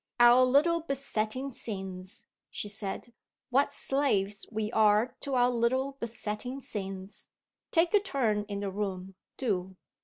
"Our little besetting sins!" she said. "What slaves we are to our little besetting sins! Take a turn in the room do!"